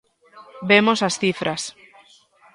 Vemos as cifras.